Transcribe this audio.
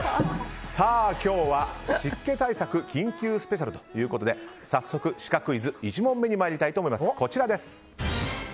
今日は湿気対策緊急スペシャルということで早速シカクイズ１問めに参りたいと思います。